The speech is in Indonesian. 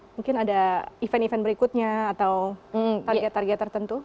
mungkin ada event event berikutnya atau target target tertentu